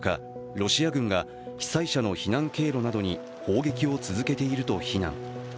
ロシア軍が被災者の避難経路などに砲撃を続けていると非難。